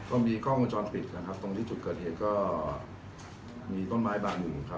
ก็มีกล้องวงจรปิดนะครับตรงที่จุดเกิดเหตุก็มีต้นไม้บางมุมครับ